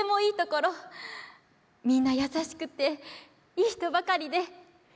みんな優しくていい人ばかりで。